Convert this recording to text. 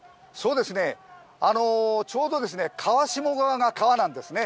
ちょうど川下側が川なんですね。